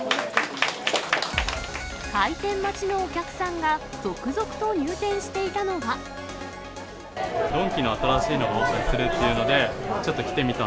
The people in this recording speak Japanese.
開店待ちのお客さんが続々とドンキの新しいのがオープンするっていうので、ちょっと来てみた。